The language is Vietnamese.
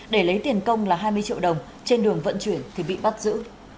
để lấy tiền công là hai mươi triệu đồng trên đường vận chuyển thì bị bắt giữ